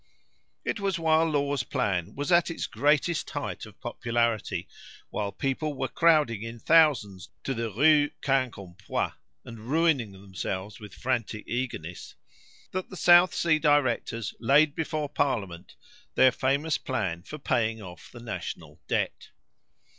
It was while Law's plan was at its greatest height of popularity, while people were crowding in thousands to the Rue Quincampoix, and ruining themselves with frantic eagerness, that the South Sea directors laid before parliament their famous plan for paying off the national debt.